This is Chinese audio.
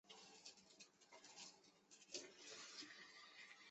钝裂天胡荽为伞形科天胡荽属下的一个变种。